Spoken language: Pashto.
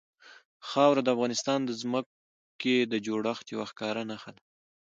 خاوره د افغانستان د ځمکې د جوړښت یوه ښکاره نښه ده.